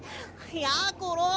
やころ。